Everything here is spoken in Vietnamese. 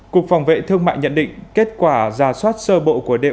cục phòng vệ thương mại nhận định kết quả giả soát sơ bộ của doc